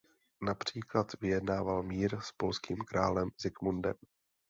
Například vyjednával mír s polským králem Zikmundem.